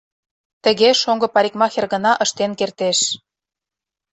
Тыге шоҥго парикмахер гына ыштен кертеш.